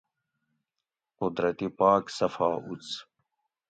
قدرتی پاک صفا اُڅ